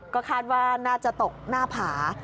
ก็คาดว่าน่าจะตกหน้าผา